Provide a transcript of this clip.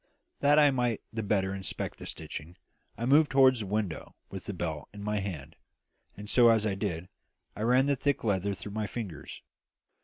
That I might the better inspect the stitching, I moved toward the window with the belt in my hand; and, as I did so, I ran the thick leather through my fingers.